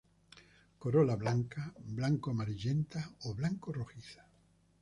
Corola blanca, blanco-amarillenta o blanco-rojiza.